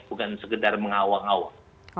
bukan sekedar mengawal awal